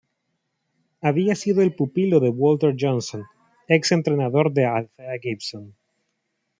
Había sido el pupilo de Walter Johnson, ex-entrenador de Althea Gibson.